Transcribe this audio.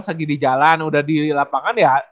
pas lagi di jalan udah di lapangan ya